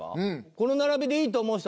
この並びでいいと思う人。